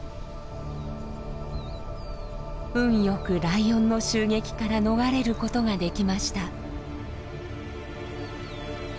運良くライオンの襲撃から逃れることができました。